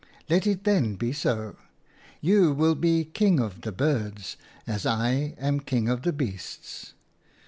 Let it then be so. You will be King of the Birds as I am King of the Beasts.